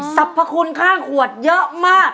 สรรพคุณค่าขวดเยอะมาก